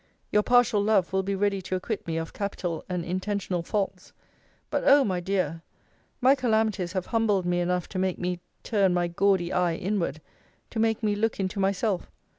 Your partial love will be ready to acquit me of capital and intentional faults: but oh, my dear! my calamities have humbled me enough to make me turn my gaudy eye inward; to make me look into myself.